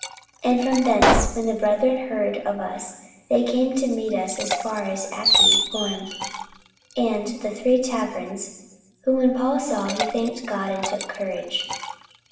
44:028:015 And from thence, when the brethren heard of us, they came to meet us as far as Appii forum, and The three taverns: whom when Paul saw, he thanked God, and took courage.